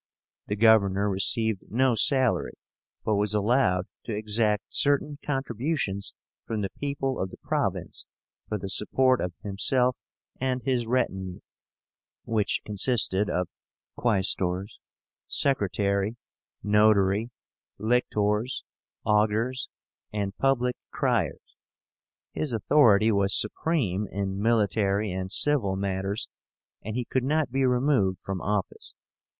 The governor received no salary, but was allowed to exact certain contributions from the people of the province for the support of himself and his retinue, which consisted of quaestors, secretary, notary, lictors, augurs, and public criers. His authority was supreme in military and civil matters, and he could not be removed from office.